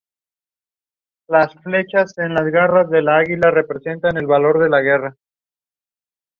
Enclavado en la comarca natural de Vega-Valdavia.